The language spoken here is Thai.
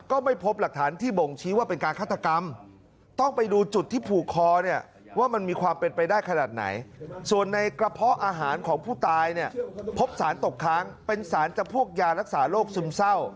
ก็ไม่พบหลักฐานที่โบ่งชี้ว่าเป็นการฆาตกรรม